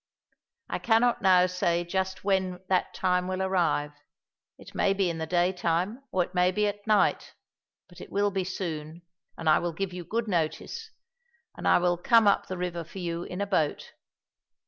I cannot now say just when that time will arrive; it may be in the daytime or it may be at night, but it will be soon, and I will give you good notice, and I will come up the river for you in a boat.